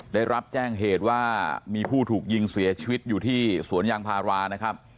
ได้รับแจ้งเหตุว่ามีผู้ถูกยิงเสียชีวิตอยู่ที่สวนยางพารานะครับ